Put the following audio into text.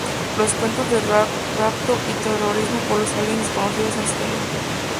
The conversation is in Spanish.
Los cuentos de rapto y terrorismo por los aliens desconocidos se extienden.